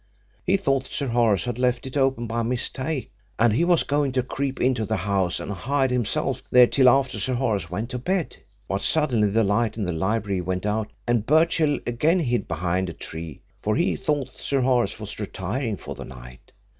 He thought Sir Horace had left it open by mistake, and he was going to creep into the house and hide himself there till after Sir Horace went to bed. But suddenly the light in the library went out and Birchill again hid behind a tree, for he thought Sir Horace was retiring for the night.